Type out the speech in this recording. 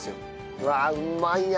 うわあうまいな！